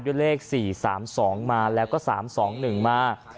ด้วยเลข๔๓๒และ๓๒๑มา